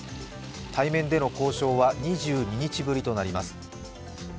対面での交渉は２２日ぶりとなります。